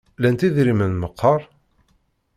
Lant idrimen meqqar?